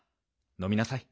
のみなさい。